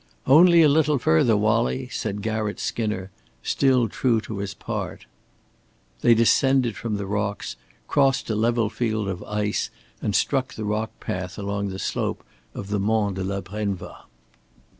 "Only a little further, Wallie!" said Garratt Skinner, still true to his part. They descended from the rocks, crossed a level field of ice and struck the rock path along the slope of the Mont de la Brenva.